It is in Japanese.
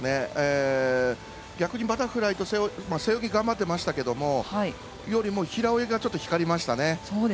逆にバタフライと背泳ぎ背泳ぎは頑張ってましたけど平泳ぎがちょっと光りましたね。